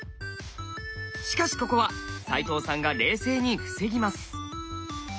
しかしここは齋藤さんが冷静に防ぎます。